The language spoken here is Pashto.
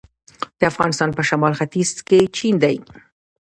د افغانستان په شمال ختیځ کې چین دی